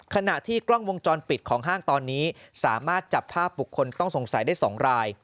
ขณะที่กล้องวงจรปิดของห้างตอนนี้สามารถจับภาพบุคคลต้องสงสัยได้๒ราย